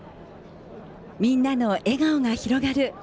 みんなの笑顔が広がる。